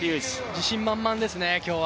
自信満々ですね、今日は。